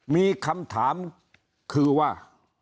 มีคำถามคือว่า